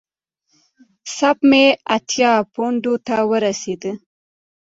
سپ مې اتیا پونډو ته ورسېده.